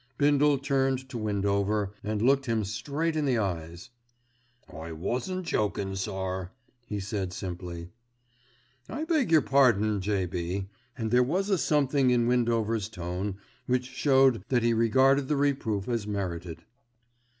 Bindle turned to Windover and looked him straight in the eyes. "I wasn't jokin', sir," he said simply. "I beg your pardon, J.B.," and there was a something in Windover's tone which showed that he regarded the reproof as merited.